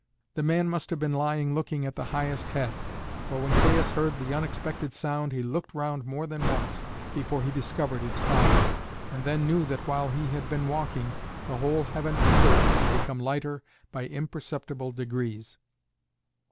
The man must have been lying looking at the highest head, for when Caius heard the unexpected sound he looked round more than once before he discovered its cause, and then knew that while he had been walking the whole heaven and earth had become lighter by imperceptible degrees.